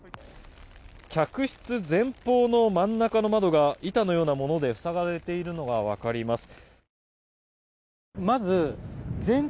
客室前方の真ん中の窓が板のようなもので塞がれているのが分かります。